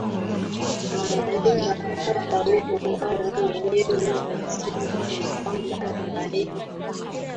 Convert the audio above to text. na wanaenda kupata huru hao wenyewe wanasema ni kwamba wanaenda